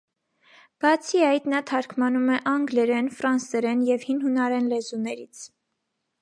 Բացի այդ նա թարգմանում է անգլերեն, ֆրանսերեն և հին հունարեն լեզուներից։